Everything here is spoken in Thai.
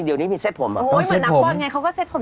เดี๋ยวนี้มีเซ็ตผมต้องเซ็ตผมเหมือนนักปวดไงเขาก็เซ็ตผม